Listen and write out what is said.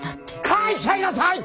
書いちゃいなさい！